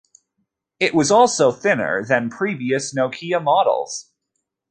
It was also thinner than previous Nokia models.